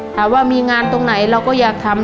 ถามว่ามีงานตรงไหนเราก็อยากทำ